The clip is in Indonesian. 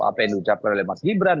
apa yang diucapkan oleh mas gibran